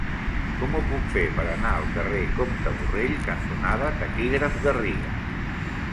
Com ho puc fer per anar al carrer Comte Borrell cantonada Taquígraf Garriga?